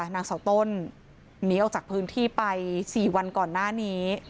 นางเสาต้นหนีออกจากพื้นที่ไป๔วันก่อนหน้านี้